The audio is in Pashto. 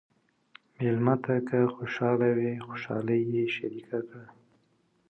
مېلمه ته که خوشحال وي، خوشالي یې شریکه کړه.